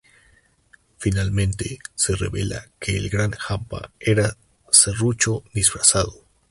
Finalmente se revela que El Gran Hampa era Serrucho disfrazado